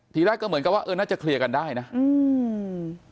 ทีแรกก็เหมือนกับว่าเออน่าจะเคลียร์กันได้นะอืม